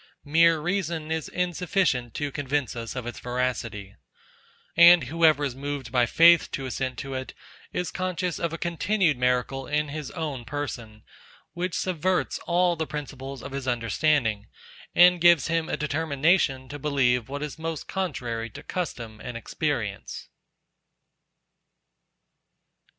Mere reason is insufficient to convince us of its veracity: And whoever is moved by Faith to assent to it, is conscious of a continued miracle in his own person, which subverts all the principles of his understanding, and gives him a determination to believe what is most contrary to custom and experience.